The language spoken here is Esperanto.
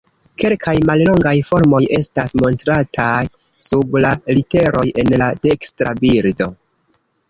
Kelkaj mallongaj formoj estas montrataj sub la literoj en la dekstra bildo.